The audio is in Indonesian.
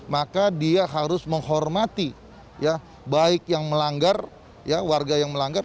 maka dia harus menghormati ya baik yang melanggar ya warga yang melanggar